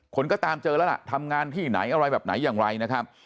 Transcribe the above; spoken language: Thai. คนก็ตามเจอแล้วล่ะทำงานที่ไหนอะไรแบบไหนอย่างไรนะครับ